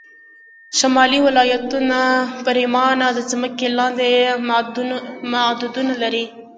شمالي ولایتونه پرېمانه د ځمکې لاندې معدنونه لري